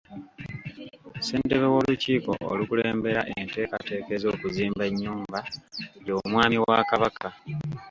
Ssentebe w'olukiiko olukulembera enteekateeka ez'okuzimba ennyumba y'omwami wa Kabaka